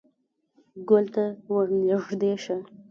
_ګول ته ور نږدې شه.